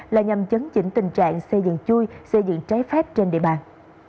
là nhằm chấn chỉnh tình trạng xây dựng chui xây dựng trái phép trên địa bàn